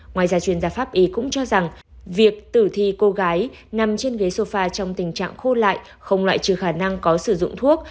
ngoài ra chuyên gia pháp ý cũng cho rằng việc tử thi cô gái nằm trên ghế sofa trong tình trạng khô lại không loại trừ khả năng có sử dụng thuốc